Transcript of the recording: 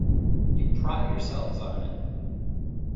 You pride yourselves on it.